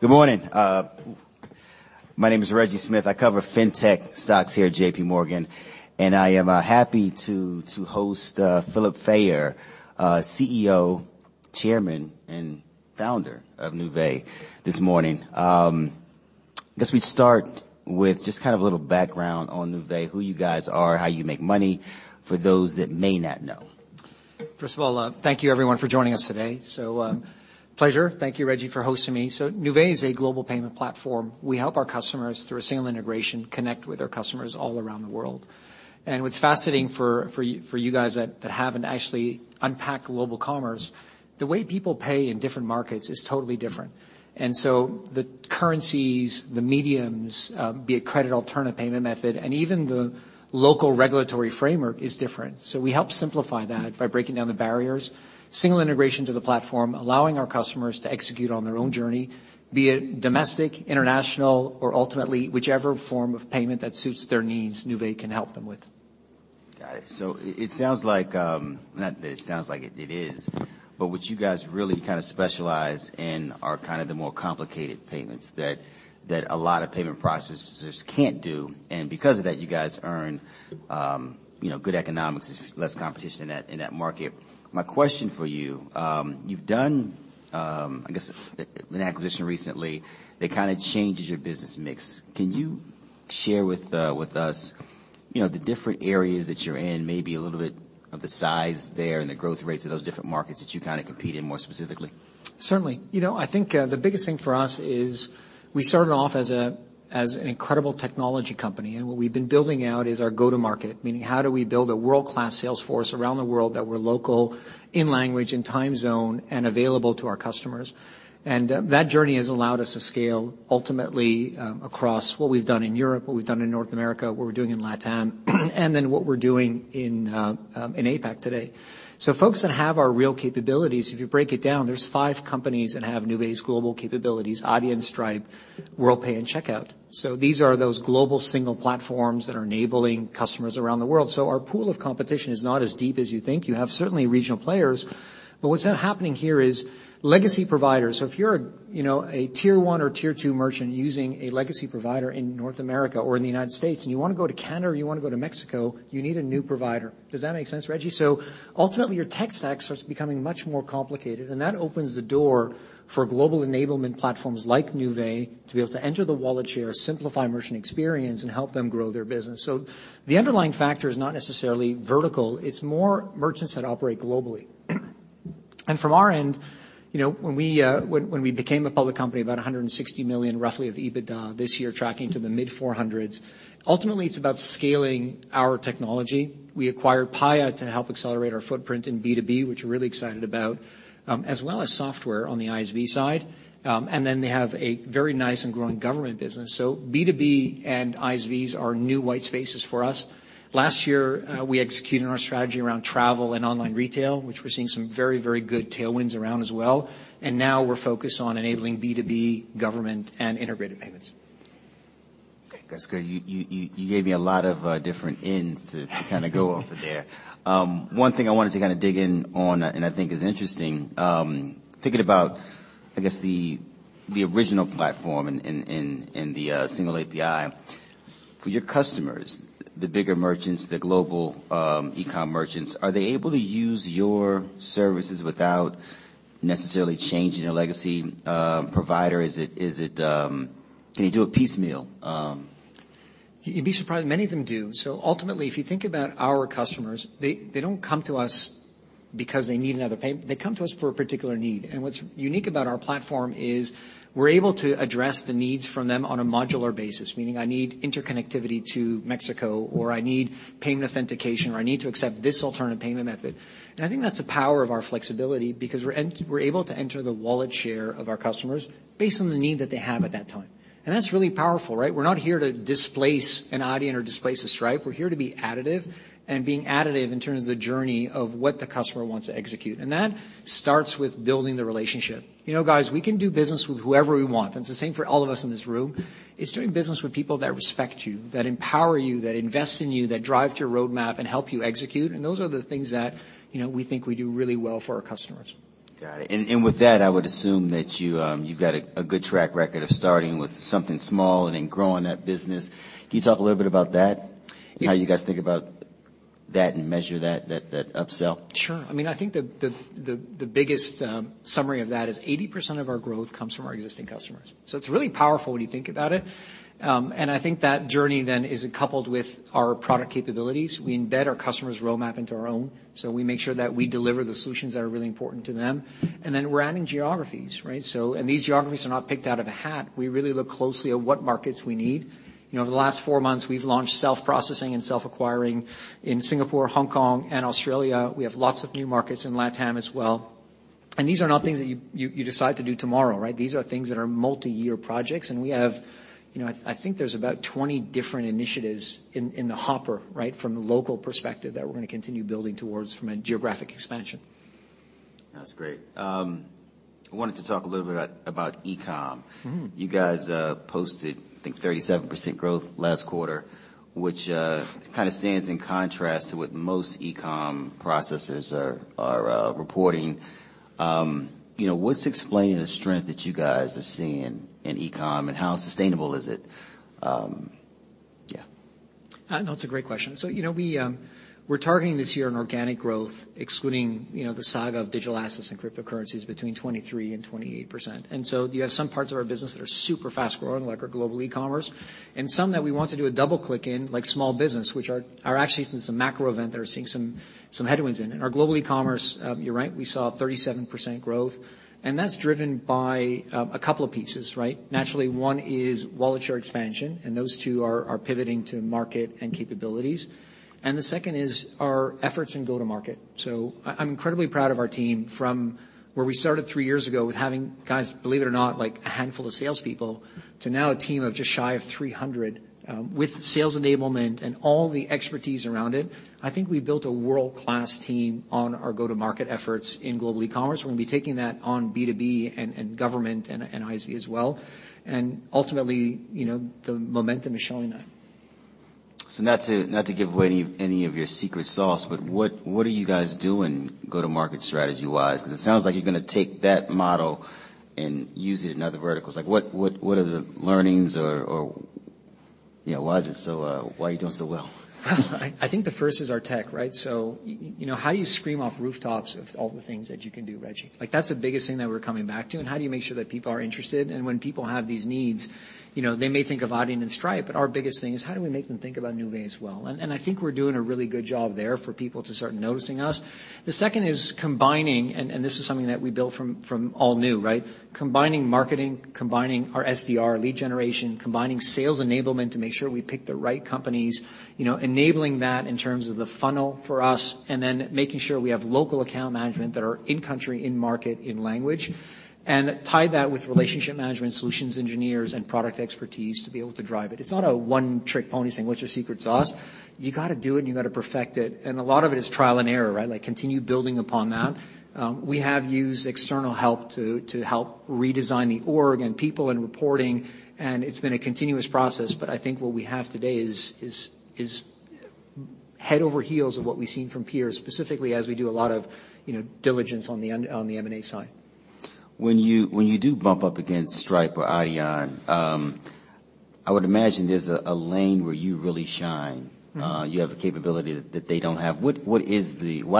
Good morning. My name is Reggie Smith. I cover fintech stocks here at J.P. Morgan, I am happy to host Philip Fayer, CEO, Chairman, and Founder of Nuvei this morning. Guess we start with just kind of a little background on Nuvei, who you guys are, how you make money, for those that may not know. First of all, thank you everyone for joining us today. Pleasure. Thank you, Reggie, for hosting me. Nuvei is a global payment platform. We help our customers through a single integration connect with our customers all around the world. What's fascinating for you guys that haven't actually unpacked global commerce, the way people pay in different markets is totally different. The currencies, the mediums, be it credit, alternate payment method, and even the local regulatory framework is different. We help simplify that by breaking down the barriers, single integration to the platform, allowing our customers to execute on their own journey, be it domestic, international, or ultimately whichever form of payment that suits their needs, Nuvei can help them with. Got it. It sounds like, not that it sounds like, it is, but what you guys really kind of specialize in are kind of the more complicated payments that a lot of payment processors can't do. Because of that, you guys earn, you know, good economics, less competition in that market. My question for you've done, I guess an acquisition recently that kind of changes your business mix. Can you share with us, you know, the different areas that you're in, maybe a little of the size there and the growth rates of those different markets that you kind of compete in more specifically? Certainly. You know, I think, the biggest thing for us is we started off as a, as an incredible technology company. What we've been building out is our go-to-market, meaning how do we build a world-class sales force around the world that we're local in language and time zone and available to our customers. That journey has allowed us to scale ultimately, across what we've done in Europe, what we've done in North America, what we're doing in Latam, and then what we're doing in APAC today. Folks that have our real capabilities, if you break it down, there's 5 companies that have Nuvei's global capabilities, Adyen, Stripe, Worldpay, and Checkout. These are those global single platforms that are enabling customers around the world. Our pool of competition is not as deep as you think. You have certainly regional players, but what's now happening here is legacy providers. If you're a, you know, a tier one or tier two merchant using a legacy provider in North America or in the United States, and you want to go to Canada or you want to go to Mexico, you need a new provider. Does that make sense, Reggie? Ultimately, your tech stack starts becoming much more complicated, and that opens the door for global enablement platforms like Nuvei to be able to enter the wallet share, simplify merchant experience, and help them grow their business. The underlying factor is not necessarily vertical, it's more merchants that operate globally. And from our end, you know, when we, when we became a public company, about $160 million roughly of EBITDA this year tracking to the mid-$400 million. Ultimately, it's about scaling our technology. We acquired Paya to help accelerate our footprint in B2B, which we're really excited about, as well as software on the ISV side. They have a very nice and growing government business. B2B and ISVs are new white spaces for us. Last year, we executed our strategy around travel and online retail, which we're seeing some very, very good tailwinds around as well. We're focused on enabling B2B, government, and integrated payments. Okay. That's good. You gave me a lot of different ends to kind of go over there. One thing I wanted to kind of dig in on, and I think is interesting, thinking about, I guess the original platform and the single API. For your customers, the bigger merchants, the global e-com merchants, are they able to use your services without necessarily changing a legacy provider? Is it, can you do a piecemeal? You'd be surprised many of them do. Ultimately, if you think about our customers, they don't come to us because they need another. They come to us for a particular need. What's unique about our platform is we're able to address the needs from them on a modular basis, meaning I need interconnectivity to Mexico, or I need payment authentication, or I need to accept this alternative payment method. I think that's the power of our flexibility because we're able to enter the wallet share of our customers based on the need that they have at that time. That's really powerful, right? We're not here to displace an Adyen or displace a Stripe. We're here to be additive and being additive in terms of the journey of what the customer wants to execute. That starts with building the relationship. You know, guys, we can do business with whoever we want. That's the same for all of us in this room. It's doing business with people that respect you, that empower you, that invest in you, that drive to your roadmap and help you execute. Those are the things that, you know, we think we do really well for our customers. Got it. With that, I would assume that you've got a good track record of starting with something small and then growing that business. Can you talk a little bit about that? Yes. How you guys think about that and measure that upsell? Sure. I mean, I think the biggest summary of that is 80% of our growth comes from our existing customers. It's really powerful when you think about it. I think that journey then is coupled with our product capabilities. We embed our customer's roadmap into our own. We make sure that we deliver the solutions that are really important to them. Then we're adding geographies, right? These geographies are not picked out of a hat. We really look closely at what markets we need. You know, over the last four months, we've launched self-processing and self-acquiring in Singapore, Hong Kong, and Australia. We have lots of new markets in Latam as well. These are not things that you decide to do tomorrow, right? These are things that are multi-year projects, and we have... You know, I think there's about 20 different initiatives in the hopper, right? From the local perspective that we're going to continue building towards from a geographic expansion. That's great. I wanted to talk a little bit about e-com. Mm-hmm. You guys, posted, I think 37% growth last quarter, which, kind of stands in contrast to what most e-com processors are reporting. You know, what's explaining the strength that you guys are seeing in e-com, and how sustainable is it? Yeah. No, it's a great question. You know, we're targeting this year in organic growth, excluding, you know, the saga of digital assets and cryptocurrencies between 23% and 28%. You have some parts of our business that are super fast-growing, like our global e-commerce, and some that we want to do a double-click in, like small business, which are actually since the macro event that are seeing some headwinds in. Our global e-commerce, you're right, we saw 37% growth, and that's driven by a couple of pieces, right? Naturally one is wallet share expansion, and those two are pivoting to market and capabilities. The second is our efforts in go-to-market. I'm incredibly proud of our team from where we started three years ago with having, guys, believe it or not, like a handful of salespeople to now a team of just shy of 300, with sales enablement and all the expertise around it. I think I built a world-class team on our go-to-market efforts in global e-commerce. We're gonna be taking that on B2B and government and ISV as well. Ultimately, you know, the momentum is showing that. Not to give away any of your secret sauce, but what are you guys doing go-to-market strategy-wise? Because it sounds like you're gonna take that model and use it in other verticals. Like what are the learnings or, you know, why is it so, why are you doing so well? I think the first is our tech, right? You know, how you scream off rooftops of all the things that you can do, Reggie? Like, that's the biggest thing that we're coming back to. How do you make sure that people are interested? When people have these needs, you know, they may think of Adyen and Stripe, but our biggest thing is how do we make them think about Nuvei as well? I think we're doing a really good job there for people to start noticing us. The second is combining, this is something that we built from all new, right? Combining marketing, combining our SDR lead generation, combining sales enablement to make sure we pick the right companies, you know, enabling that in terms of the funnel for us. Then making sure we have local account management that are in country, in market, in language, and tie that with relationship management solutions engineers and product expertise to be able to drive it. It's not a one-trick pony saying, "What's your secret sauce?" You gotta do it and you gotta perfect it. A lot of it is trial and error, right? Like, continue building upon that. We have used external help to help redesign the org and people and reporting. It's been a continuous process. I think what we have today is head over heels of what we've seen from peers, specifically as we do a lot of, you know, diligence on the M&A side. When you do bump up against Stripe or Adyen, I would imagine there's a lane where you really shine. Mm-hmm. You have a capability that they don't have. Why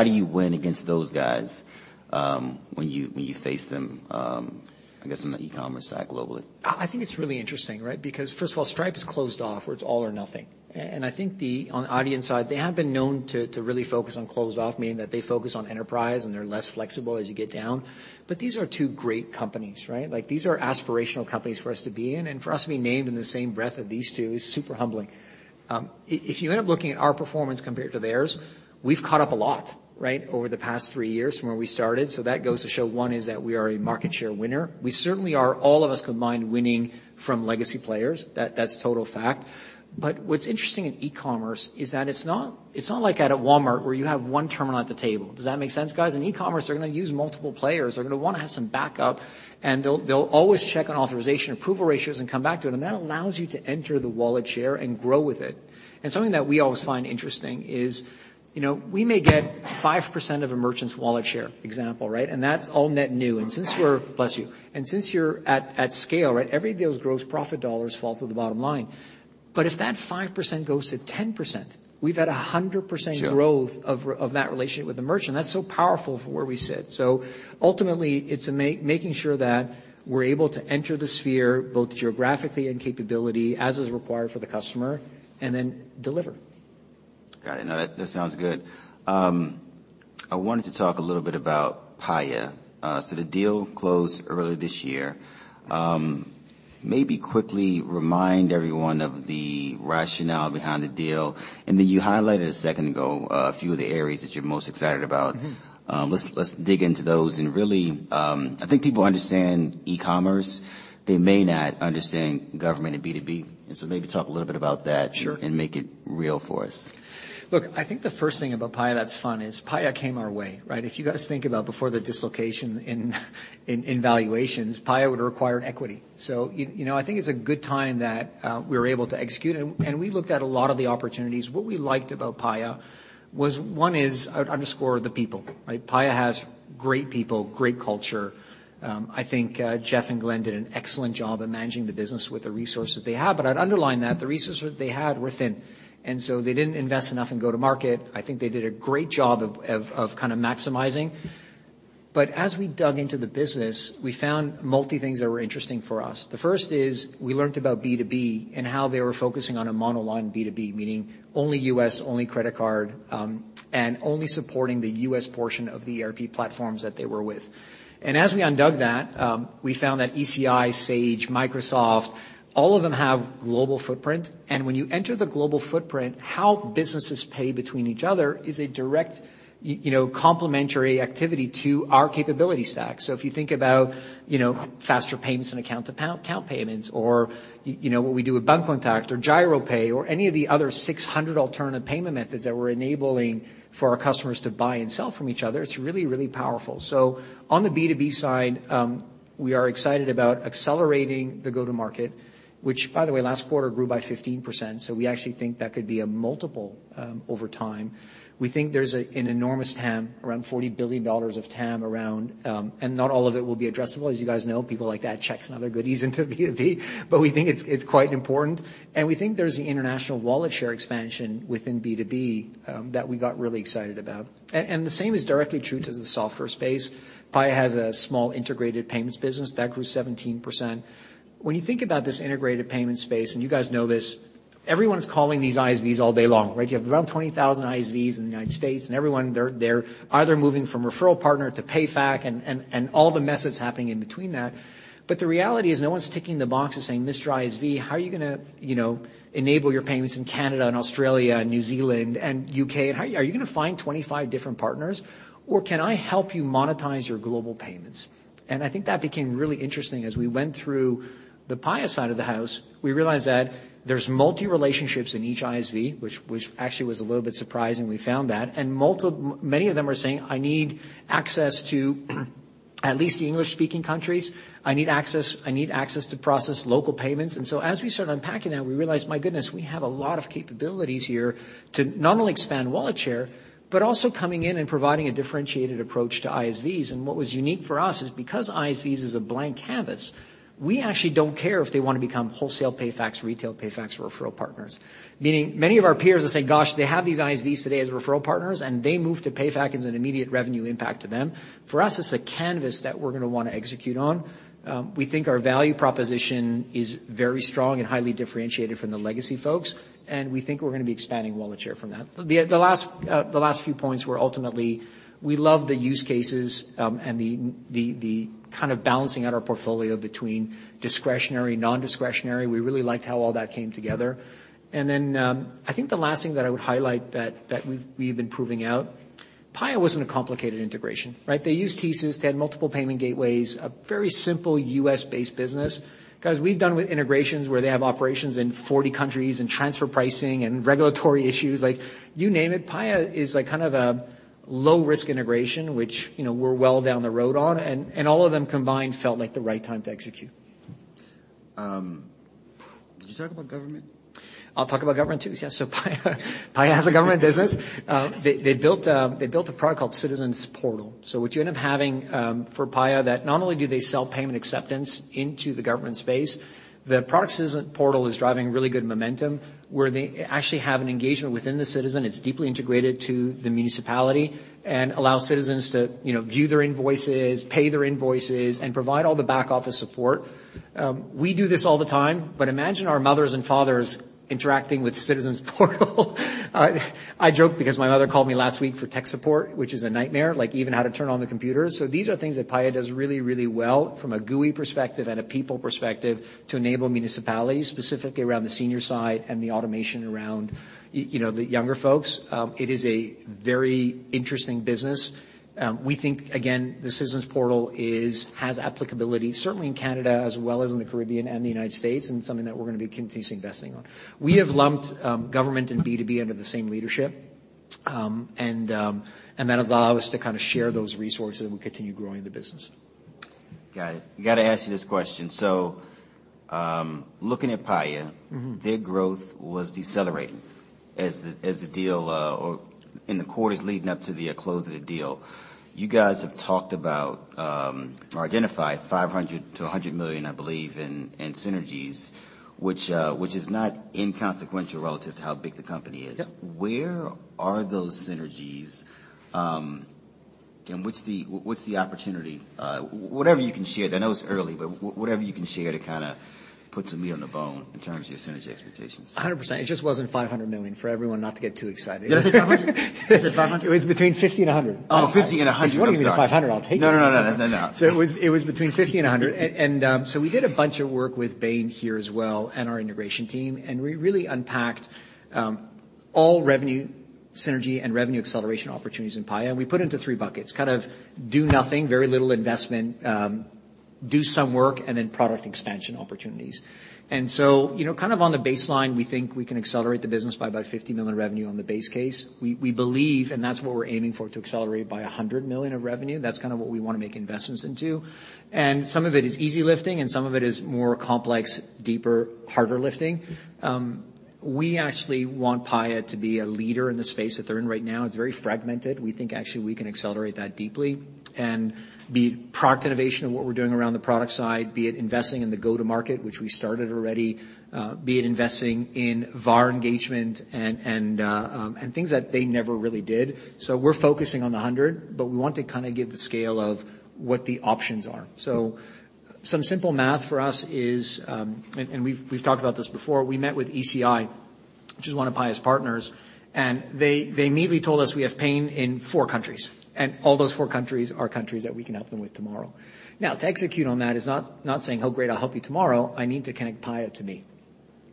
do you win against those guys, when you face them, I guess on the e-commerce side globally? I think it's really interesting, right. First of all, Stripe is closed off where it's all or nothing. I think, on Adyen's side, they have been known to really focus on closed off, meaning that they focus on enterprise and they're less flexible as you get down. These are two great companies, right. Like, these are aspirational companies for us to be in, and for us to be named in the same breath of these two is super humbling. If you end up looking at our performance compared to theirs, we've caught up a lot, right. Over the past three years from where we started. That goes to show, one, is that we are a market share winner. We certainly are, all of us combined, winning from legacy players. That's total fact. What's interesting in e-commerce is that it's not like at a Walmart where you have one terminal at the table. Does that make sense, guys? In e-commerce, they're going to use multiple players. They're going to want to have some backup, and they'll always check on authorization approval ratios and come back to it, and that allows you to enter the wallet share and grow with it. Something that we always find interesting is, you know, we may get 5% of a merchant's wallet share, example, right? That's all net new. Since you're at scale, right? Every of those gross profit dollars falls to the bottom line. If that 5% goes to 10%, we've had 100%- Sure growth of that relationship with the merchant. That's so powerful for where we sit. Ultimately, it's making sure that we're able to enter the sphere, both geographically and capability, as is required for the customer, and then deliver. Got it. No, that sounds good. I wanted to talk a little bit about Paya. The deal closed earlier this year. Maybe quickly remind everyone of the rationale behind the deal, and then you highlighted a second ago a few of the areas that you're most excited about. Mm-hmm. let's dig into those. Really, I think people understand e-commerce. They may not understand government and B2B, maybe talk a little bit about that. Sure... and make it real for us. Look, I think the first thing about Paya that's fun is Paya came our way, right? If you guys think about before the dislocation in valuations, Paya would require equity. You know, I think it's a good time that we were able to execute, and we looked at a lot of the opportunities. What we liked about Paya was, one is, I would underscore the people, right? Paya has great people, great culture. I think Jeff and Glenn did an excellent job of managing the business with the resources they have. I'd underline that the resources they had were thin, and so they didn't invest enough in go-to-market. I think they did a great job of kind of maximizing. As we dug into the business, we found multi things that were interesting for us. The first is we learned about B2B and how they were focusing on a monoline B2B, meaning only US, only credit card, and only supporting the US portion of the ERP platforms that they were with. As we undug that, we found that ECI, Sage, Microsoft, all of them have global footprint. When you enter the global footprint, how businesses pay between each other is a direct, you know, complementary activity to our capability stack. If you think about, you know, faster payments and account-to-account payments or you know, what we do with Bancontact or Giropay or any of the other 600 alternative payment methods that we're enabling for our customers to buy and sell from each other, it's really, really powerful. On the B2B side. We are excited about accelerating the go-to-market, which by the way, last quarter grew by 15%, so we actually think that could be a multiple over time. We think there's an enormous TAM, around $40 billion of TAM around, and not all of it will be addressable. As you guys know, people like to add checks and other goodies into B2B, but we think it's quite important. We think there's the international wallet share expansion within B2B that we got really excited about. The same is directly true to the software space. Paya has a small integrated payments business that grew 17%. When you think about this integrated payment space, and you guys know this, everyone's calling these ISVs all day long, right? You have around 20,000 ISVs in the United States. Everyone, they're either moving from referral partner to PayFac and all the mess that's happening in between that. The reality is no one's ticking the box and saying, "Mr. ISV, how are you gonna, you know, enable your payments in Canada and Australia and New Zealand and UK? Are you gonna find 25 different partners, or can I help you monetize your global payments?" I think that became really interesting as we went through the Paya side of the house, we realized that there's multi relationships in each ISV, which actually was a little bit surprising we found that. Many of them are saying, "I need access to at least the English-speaking countries. I need access, I need access to process local payments." As we started unpacking that, we realized, my goodness, we have a lot of capabilities here to not only expand wallet share, but also coming in and providing a differentiated approach to ISVs. What was unique for us is because ISVs is a blank canvas, we actually don't care if they wanna become wholesale payfacs, retail payfacs, or referral partners. Meaning many of our peers are saying, "Gosh, they have these ISVs today as referral partners, and they move to payfac as an immediate revenue impact to them." For us, it's a canvas that we're gonna wanna execute on. We think our value proposition is very strong and highly differentiated from the legacy folks, and we think we're gonna be expanding wallet share from that. The last few points were ultimately, we love the use cases, and the kind of balancing out our portfolio between discretionary, non-discretionary. We really liked how all that came together. I think the last thing that I would highlight that we've been proving out, Paya wasn't a complicated integration, right? They used TSYS. They had multiple payment gateways, a very simple U.S.-based business. Cause we've done with integrations where they have operations in 40 countries and transfer pricing and regulatory issues, like you name it. Paya is like kind of a low-risk integration, which, you know, we're well down the road on, and all of them combined felt like the right time to execute. Did you talk about government? I'll talk about government too. Yes. Paya has a government business. They built a product called Citizens Portal. What you end up having for Paya that not only do they sell payment acceptance into the government space, the product Citizens Portal is driving really good momentum, where they actually have an engagement within the citizen. It's deeply integrated to the municipality and allows citizens to, you know, view their invoices, pay their invoices, and provide all the back office support. We do this all the time, but imagine our mothers and fathers interacting with Citizens Portal. I joke because my mother called me last week for tech support, which is a nightmare, like even how to turn on the computer. These are things that Paya does really, really well from a GUI perspective and a people perspective to enable municipalities, specifically around the senior side and the automation around you know, the younger folks. It is a very interesting business. We think, again, the Citizens Portal has applicability certainly in Canada as well as in the Caribbean and the United States, and something that we're gonna be continuously investing on. We have lumped government and B2B under the same leadership. That allows us to kinda share those resources, and we continue growing the business. Got it. I gotta ask you this question. looking at Paya- Mm-hmm. their growth was decelerating as the deal, or in the quarters leading up to the close of the deal. You guys have talked about, or identified $500 million to $100 million, I believe, in synergies, which is not inconsequential relative to how big the company is. Yep. Where are those synergies, and what's the opportunity? Whatever you can share. I know it's early, but whatever you can share to kinda put some meat on the bone in terms of your synergy expectations. 100%. It just wasn't $500 million, for everyone not to get too excited. You said how much? You said 500? It was between 50 and 100. Oh, 50 and 100. I'm sorry. If you wanna give me the $500, I'll take it. No, no, no. No. It was between $50 million and $100 million. We did a bunch of work with Bain here as well and our integration team, and we really unpacked all revenue synergy and revenue acceleration opportunities in Paya. We put it into three buckets: kind of do nothing, very little investment, do some work, and then product expansion opportunities. You know, kind of on the baseline, we think we can accelerate the business by about $50 million revenue on the base case. We believe, and that's what we're aiming for, to accelerate by $100 million of revenue. That's kind of what we wanna make investments into. Some of it is easy lifting, and some of it is more complex, deeper, harder lifting. We actually want Paya to be a leader in the space that they're in right now. It's very fragmented. We think actually we can accelerate that deeply and be product innovation of what we're doing around the product side, be it investing in the go-to-market, which we started already, be it investing in VAR engagement and things that they never really did. We're focusing on the 100, but we want to kinda give the scale of what the options are. Some simple math for us is, and we've talked about this before. We met with ECI, which is one of Paya's partners, and they immediately told us we have pain in four countries, and all those four countries are countries that we can help them with tomorrow. Now, to execute on that is not saying, "Oh, great, I'll help you tomorrow." I need to connect Paya to me.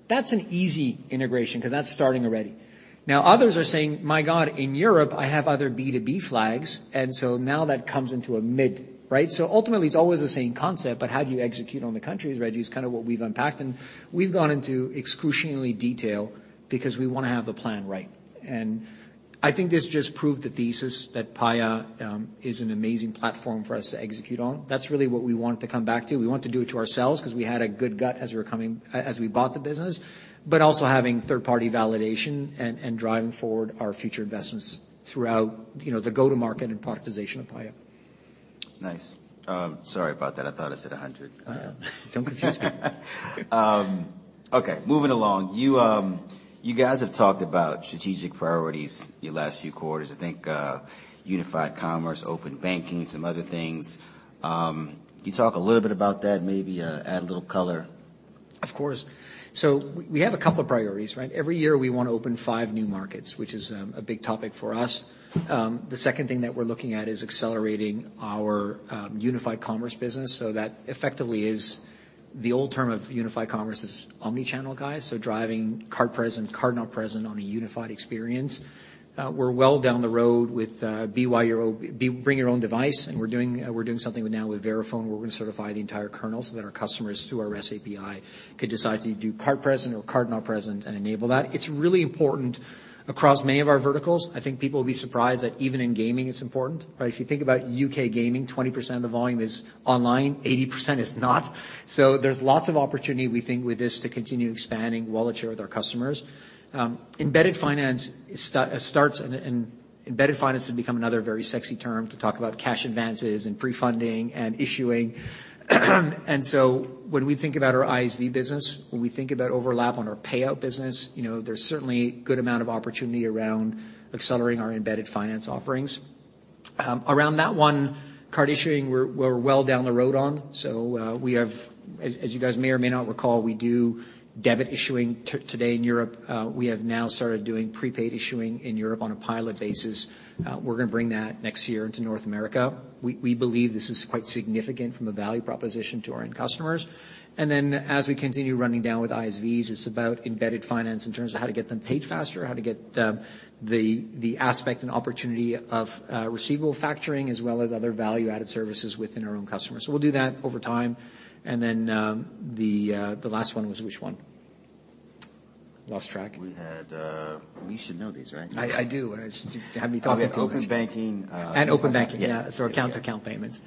That's an easy integration 'cause that's starting already. Others are saying, "My god, in Europe, I have other B2B flags." Now that comes into a mid, right? Ultimately, it's always the same concept, but how do you execute on the countries, right? Is kind of what we've unpacked, and we've gone into excruciatingly detail because we wanna have the plan right. I think this just proved the thesis that Paya is an amazing platform for us to execute on. That's really what we want to come back to. We want to do it to ourselves because we had a good gut as we bought the business, but also having third-party validation and driving forward our future investments throughout, you know, the go-to-market and productization of Paya. Nice. Sorry about that. I thought I said 100. Don't confuse me. Okay, moving along. You, you guys have talked about strategic priorities your last few quarters, I think, unified commerce, open banking, some other things. Can you talk a little bit about that, maybe, add a little color? Of course. We have a couple of priorities, right. Every year, we wanna open 5 new markets, which is a big topic for us. The second thing that we're looking at is accelerating our Unified Commerce business. That effectively is the old term of Unified Commerce is omni-channel, guys. Driving card-present, card-not-present on a unified experience. We're well down the road with Bring Your Own Device, and we're doing something now with Verifone, where we're gonna certify the entire kernel so that our customers through our REST API could decide to do card-present or card-not-present and enable that. It's really important across many of our verticals. I think people will be surprised that even in gaming it's important. If you think about UK gaming, 20% of the volume is online, 80% is not. There's lots of opportunity, we think, with this to continue expanding wallet share with our customers. embedded finance starts and embedded finance has become another very sexy term to talk about cash advances and pre-funding and issuing. When we think about our ISV business, when we think about overlap on our payout business, you know, there's certainly good amount of opportunity around accelerating our embedded finance offerings. Around that one, card issuing we're well down the road on. We have, as you guys may or may not recall, we do debit issuing today in Europe. We have now started doing prepaid issuing in Europe on a pilot basis. We're gonna bring that next year into North America. We believe this is quite significant from a value proposition to our end customers. As we continue running down with ISVs, it's about embedded finance in terms of how to get them paid faster, how to get the aspect and opportunity of receivable factoring as well as other value-added services within our own customers. We'll do that over time. The last one was which one? Lost track. We had. You should know these, right? I do. You had me talking too much. We have open banking. open banking. Yeah. Our account-to-account payments.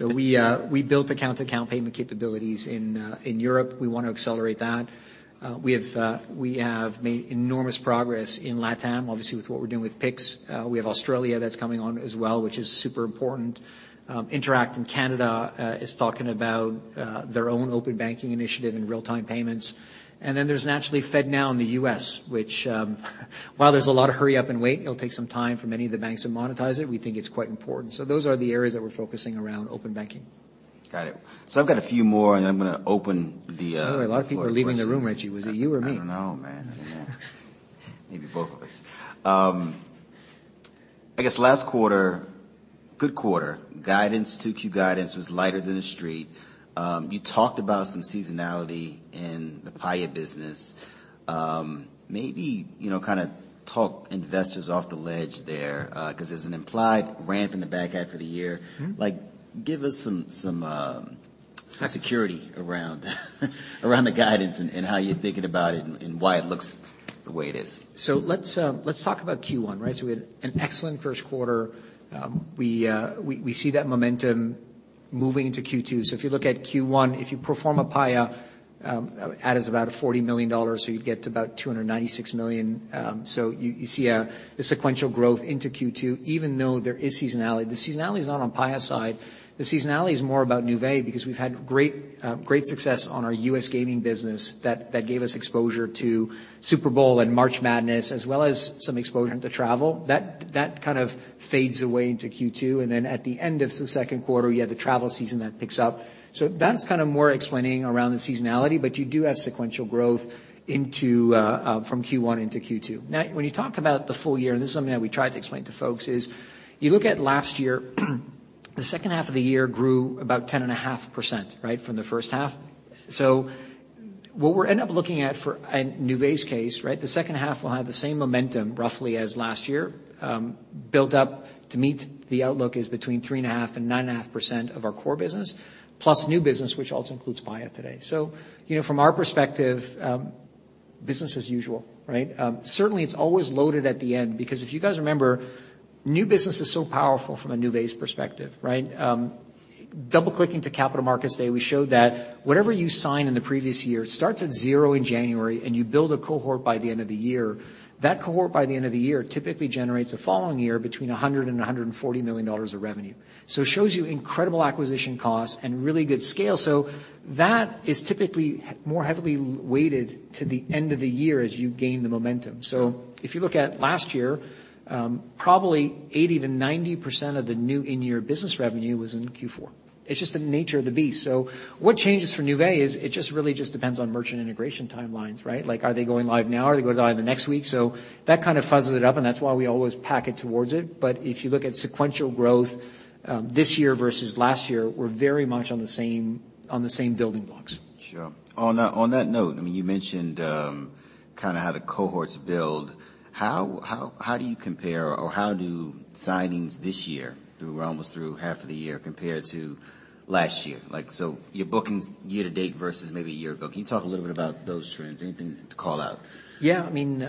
We built account-to-account payment capabilities in Europe. We want to accelerate that. We have made enormous progress in LATAM, obviously, with what we're doing with Pix. We have Australia that's coming on as well, which is super important. Interac in Canada is talking about their own open banking initiative and real-time payments. There's naturally FedNow in the U.S., which, while there's a lot of hurry up and wait, it'll take some time for many of the banks to monetize it. We think it's quite important. Those are the areas that we're focusing around open banking. Got it. I've got a few more, and then I'm gonna open the floor to questions. A lot of people are leaving the room, Reggie. Was it you or me? I don't know, man. I don't know. Maybe both of us. I guess last quarter, good quarter. Guidance, 2Q guidance was lighter than The Street. You talked about some seasonality in the Paya business. Maybe, you know, kinda talk investors off the ledge there, 'cause there's an implied ramp in the back half of the year. Mm-hmm. Like, give us some security around the guidance and how you're thinking about it and why it looks the way it is. Let's talk about Q1, right? We had an excellent first quarter. We see that momentum moving into Q2. If you look at Q1, if you perform a Paya, add as about $40 million, so you'd get to about $296 million. You see a sequential growth into Q2 even though there is seasonality. The seasonality is not on Paya side. The seasonality is more about Nuvei because we've had great success on our U.S. gaming business that gave us exposure to Super Bowl and March Madness, as well as some exposure to travel. That kind of fades away into Q2, at the end of the second quarter, you have the travel season that picks up. That's kinda more explaining around the seasonality, but you do have sequential growth from Q1 into Q2. When you talk about the full year, and this is something that we tried to explain to folks, is you look at last year, the second half of the year grew about 10.5%, right, from the first half. What we're end up looking at in Nuvei's case, right? The second half will have the same momentum roughly as last year, built up to meet the outlook is between 3.5% and 9.5% of our core business plus new business, which also includes Paya today. You know, from our perspective, business as usual, right? Certainly it's always loaded at the end because if you guys remember, new business is so powerful from a Nuvei's perspective, right? Double-clicking to Capital Markets Day, we showed that whatever you sign in the previous year starts at 0 in January, and you build a cohort by the end of the year. That cohort by the end of the year typically generates the following year between $100 million-$140 million of revenue. It shows you incredible acquisition costs and really good scale. That is typically more heavily weighted to the end of the year as you gain the momentum. If you look at last year, probably 80%-90% of the new in-year business revenue was in Q4. It's just the nature of the beast. What changes for Nuvei is it just really just depends on merchant integration timelines, right? Like, are they going live now? Are they going live the next week? That kind of fuzzles it up, and that's why we always pack it towards it. If you look at sequential growth, this year versus last year, we're very much on the same building blocks. Sure. On that note, I mean, you mentioned, kinda how the cohorts build. How do you compare or how do signings this year through half of the year compared to last year? Like, your bookings year-to-date versus maybe a year ago. Can you talk a little bit about those trends? Anything to call out? Yeah. I mean,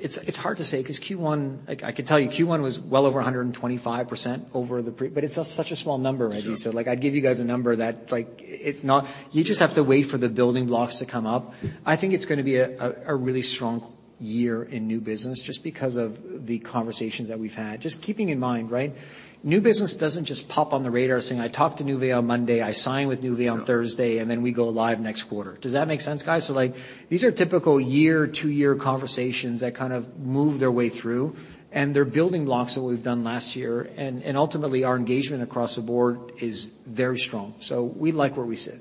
it's hard to say 'cause Q1. Like, I could tell you Q1 was well over 125% over the. It's such a small number, Reggie. Sure. Like, I'd give you guys a number that, like, it's not. You just have to wait for the building blocks to come up. I think it's gonna be a really strong year in new business just because of the conversations that we've had. Just keeping in mind, right, new business doesn't just pop on the radar saying, "I talked to Nuvei on Monday, I sign with Nuvei on Thursday. Sure. We go live next quarter." Does that make sense, guys? Like, these are typical year, two-year conversations that kind of move their way through, and they're building blocks that we've done last year. Ultimately, our engagement across the board is very strong. We like where we sit.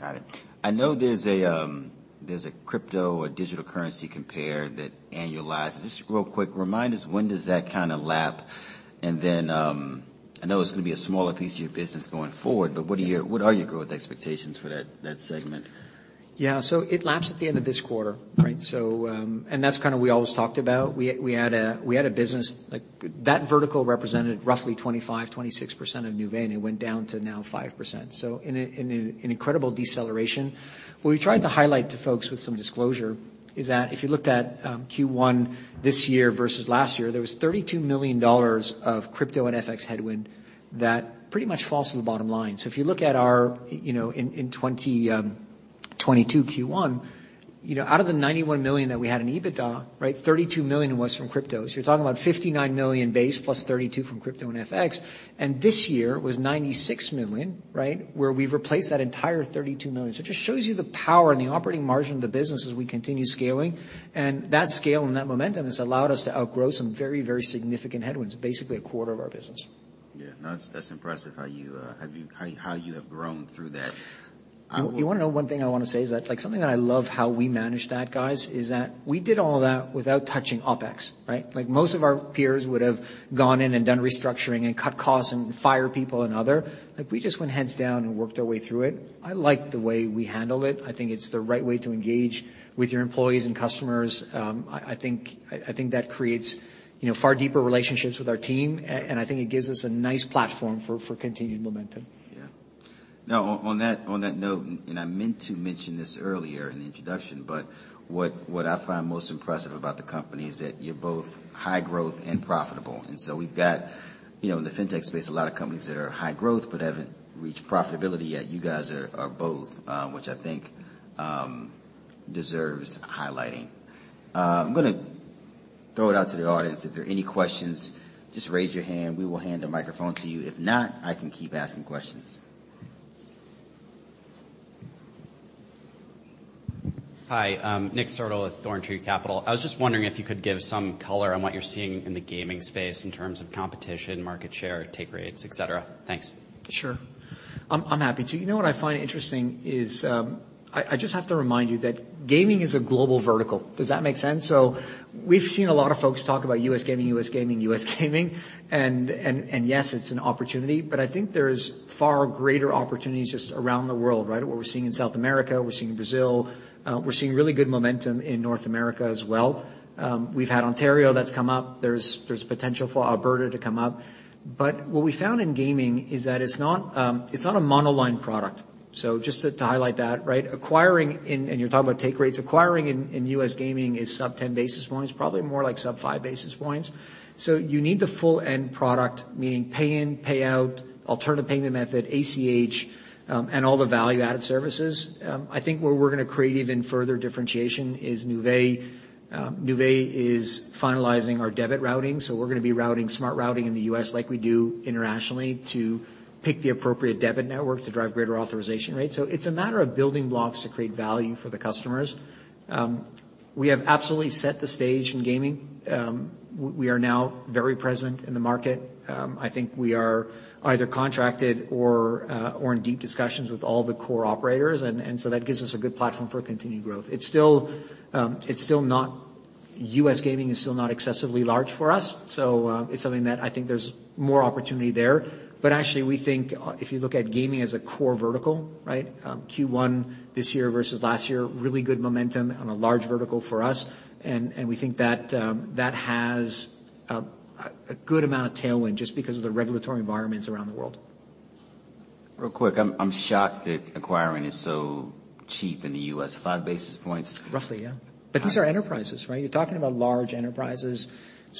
Got it. I know there's a crypto or digital currency compare that annualize. Just real quick, remind us when does that kinda lap? I know it's gonna be a smaller piece of your business going forward, but what are your growth expectations for that segment? Yeah. It laps at the end of this quarter, right? That's kinda we always talked about. We had a business. Like, that vertical represented roughly 25%-26% of Nuvei, and it went down to now 5%. In an incredible deceleration. What we tried to highlight to folks with some disclosure is that if you looked at Q1 this year versus last year, there was $32 million of crypto and FX headwind that pretty much falls to the bottom line. If you look at our, you know, in 2022 Q1, you know, out of the $91 million that we had in EBITDA, right, $32 million was from cryptos. You're talking about $59 million base plus $32 from crypto and FX. This year was $96 million, right, where we've replaced that entire $32 million. It just shows you the power and the operating margin of the business as we continue scaling. That scale and that momentum has allowed us to outgrow some very, very significant headwinds, basically a quarter of our business. Yeah. No, that's impressive how you have grown through that. You wanna know one thing I wanna say is that, like, something that I love how we manage that, guys, is that we did all that without touching OpEx, right? Most of our peers would have gone in and done restructuring and cut costs and fire people and other. We just went heads down and worked our way through it. I like the way we handle it. I think it's the right way to engage with your employees and customers. I think that creates, you know, far deeper relationships with our team. Right. I think it gives us a nice platform for continued momentum. Yeah. On that note, and I meant to mention this earlier in the introduction, but what I find most impressive about the company is that you're both high growth and profitable. We've got, you know, in the fintech space, a lot of companies that are high growth but haven't reached profitability yet. You guys are both, which I think deserves highlighting. I'm gonna throw it out to the audience. If there are any questions, just raise your hand, we will hand a microphone to you. If not, I can keep asking questions. Hi. I'm Nick Sertl with ThornTree Capital. I was just wondering if you could give some color on what you're seeing in the gaming space in terms of competition, market share, take rates, et cetera. Thanks. Sure. I'm happy to. You know what I find interesting is, I just have to remind you that gaming is a global vertical. Does that make sense? We've seen a lot of folks talk about U.S. gaming, U.S. gaming, U.S. gaming. Yes, it's an opportunity, but I think there's far greater opportunities just around the world, right? What we're seeing in South America, we're seeing in Brazil. We're seeing really good momentum in North America as well. We've had Ontario that's come up. There's potential for Alberta to come up. What we found in gaming is that it's not a monoline product. Just to highlight that, right? Acquiring in. And you're talking about take rates. Acquiring in U.S. gaming is sub-10 basis points, probably more like sub-5 basis points. You need the full end product, meaning pay in, pay out, alternative payment method, ACH, and all the value-added services. I think where we're gonna create even further differentiation is Nuvei. Nuvei is finalizing our debit routing, so we're gonna be routing smart routing in the U.S. like we do internationally to pick the appropriate debit network to drive greater authorization rates. It's a matter of building blocks to create value for the customers. We have absolutely set the stage in gaming. We are now very present in the market. I think we are either contracted or in deep discussions with all the core operators, and so that gives us a good platform for continued growth. It's still, it's still not... U.S. gaming is still not excessively large for us, it's something that I think there's more opportunity there. Actually, we think, if you look at gaming as a core vertical, right? Q1 this year versus last year, really good momentum on a large vertical for us. We think that has a good amount of tailwind just because of the regulatory environments around the world. Real quick. I'm shocked that acquiring is so cheap in the U.S. 5 basis points- Roughly, yeah. How- These are enterprises, right? You're talking about large enterprises.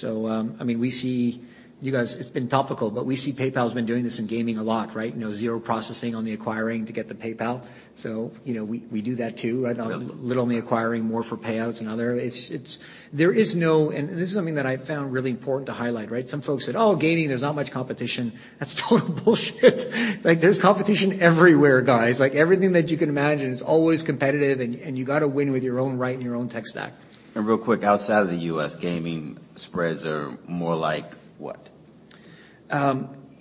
I mean, we see you guys... It's been topical, but we see PayPal's been doing this in gaming a lot, right? You know, 0 processing on the acquiring to get the PayPal. You know, we do that too, right? Yeah. Little only acquiring more for payouts and other. It's. There is no. This is something that I found really important to highlight, right. Some folks said, "Oh, gaming, there's not much competition." That's total bullshit. There's competition everywhere, guys. Everything that you can imagine is always competitive, and you gotta win with your own right and your own tech stack. Real quick, outside of the U.S., gaming spreads are more like what?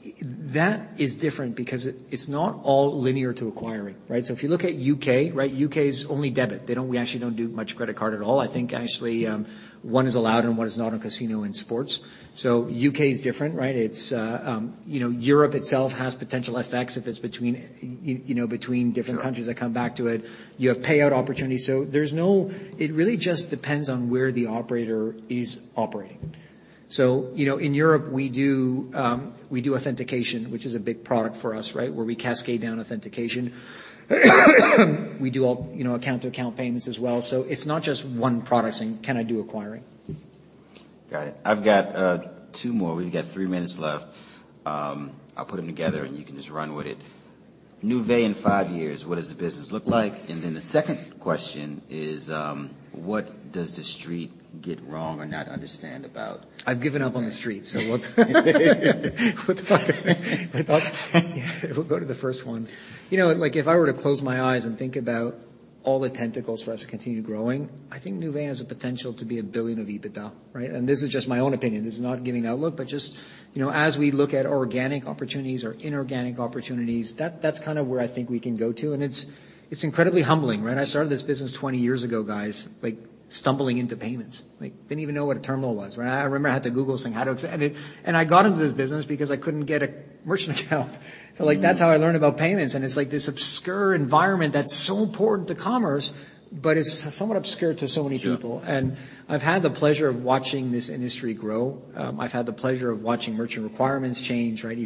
That is different because it's not all linear to acquiring, right? If you look at U.K., right? U.K. is only debit. We actually don't do much credit card at all. I think actually, one is allowed and one is not a casino in sports. U.K. is different, right? It's, you know, Europe itself has potential effects if it's between different countries that come back to it. You have payout opportunities. There's no. It really just depends on where the operator is operating. You know, in Europe, we do authentication, which is a big product for us, right? Where we cascade down authentication. We do all, you know, Account-to-account payments as well. It's not just one product saying, "Can I do acquiring? Got it. I've got two more. We've got three minutes left. I'll put them together, and you can just run with it. Nuvei in five years, what does the business look like? The second question is, what does The Street get wrong or not understand about- I've given up on The Street. We'll go to the first one. You know, like, if I were to close my eyes and think about all the tentacles for us to continue growing, I think Nuvei has the potential to be $1 billion of EBITDA, right? This is just my own opinion. This is not giving outlook. Just, you know, as we look at organic opportunities or inorganic opportunities, that's kind of where I think we can go to. It's incredibly humbling, right? I started this business 20 years ago, guys, like stumbling into payments. Like, didn't even know what a terminal was, right? I remember I had to Google this thing. I got into this business because I couldn't get a merchant account. Like, that's how I learned about payments. It's like this obscure environment that's so important to commerce, but it's somewhat obscure to so many people. Yeah. I've had the pleasure of watching this industry grow. I've had the pleasure of watching merchant requirements change, right? I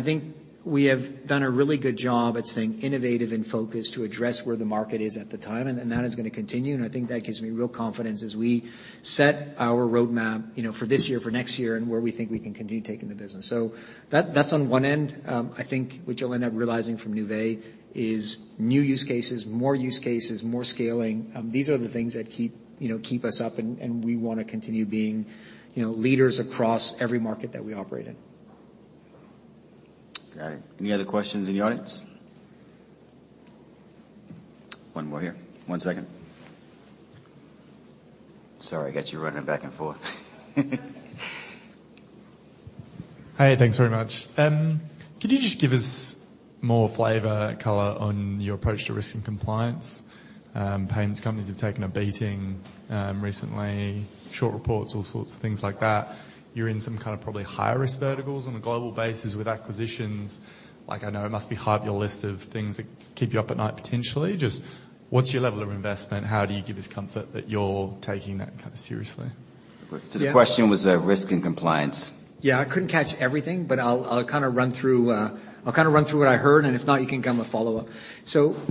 think we have done a really good job at staying innovative and focused to address where the market is at the time, and then that is gonna continue. I think that gives me real confidence as we set our roadmap, you know, for this year, for next year and where we think we can continue taking the business. That's on one end. I think what you'll end up realizing from Nuvei is new use cases, more use cases, more scaling. These are the things that keep us up, and we wanna continue being, you know, leaders across every market that we operate in. Got it. Any other questions in the audience? One more here. One second. Sorry, I got you running back and forth. Hi, thanks very much. Could you just give us more flavor, color on your approach to risk and compliance? Payments companies have taken a beating, recently. Short reports, all sorts of things like that. You're in some kind of probably high-risk verticals on a global basis with acquisitions. Like, I know it must be high up your list of things that keep you up at night, potentially. Just what's your level of investment? How do you give us comfort that you're taking that kind of seriously? The question was, risk and compliance. Yeah, I couldn't catch everything, but I'll kinda run through what I heard, and if not, you can come with follow-up.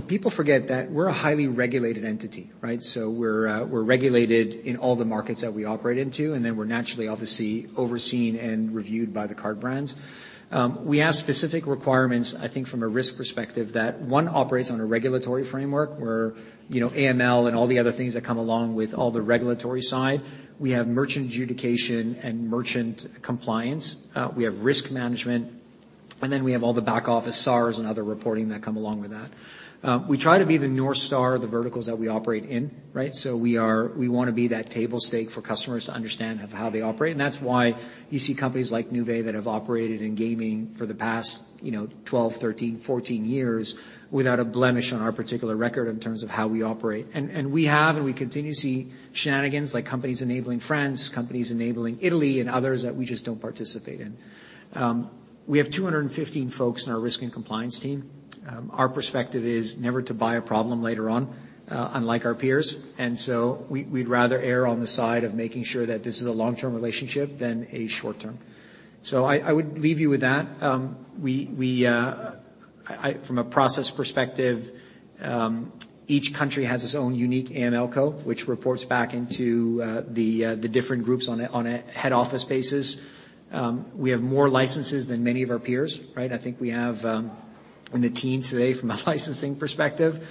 People forget that we're a highly regulated entity, right? We're regulated in all the markets that we operate into, and then we're naturally obviously overseen and reviewed by the card brands. We have specific requirements, I think, from a risk perspective, that one operates on a regulatory framework where, you know, AML and all the other things that come along with all the regulatory side. We have merchant adjudication and merchant compliance. We have risk management, and then we have all the back office SARs and other reporting that come along with that. We try to be the North Star of the verticals that we operate in, right? We want to be that table stake for customers to understand of how they operate. That's why you see companies like Nuvei that have operated in gaming for the past, you know, 12, 13, 14 years without a blemish on our particular record in terms of how we operate. And we have and continue to see shenanigans like companies enabling France, companies enabling Italy and others that we just don't participate in. We have 215 folks in our risk and compliance team. Our perspective is never to buy a problem later on, unlike our peers. We'd rather err on the side of making sure that this is a long-term relationship than a short-term. I would leave you with that. We... I, from a process perspective, each country has its own unique AMLCo, which reports back into the different groups on a head office basis. We have more licenses than many of our peers, right? I think we have in the teens today from a licensing perspective.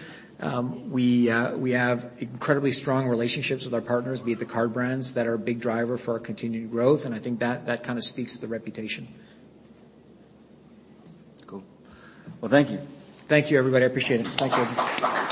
We have incredibly strong relationships with our partners, be it the card brands that are a big driver for our continued growth, and I think that kind of speaks to the reputation. Cool. Well, thank you. Thank you, everybody. I appreciate it. Thank you.